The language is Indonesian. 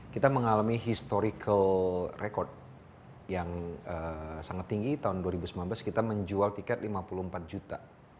kita mengalami historical record yang sangat tinggi tahun dua ribu sembilan belas kita menjual tiket lima puluh empat juta